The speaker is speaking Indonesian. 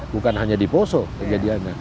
bukan hanya di poso kejadiannya